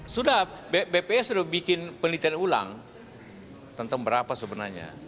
sudah bps sudah bikin penelitian ulang tentang berapa sebenarnya